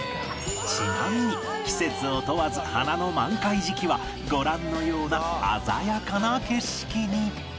ちなみに季節を問わず花の満開時期はご覧のような鮮やかな景色に